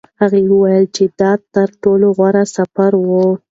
هغه وویل چې دا تر ټولو غوره سفر و.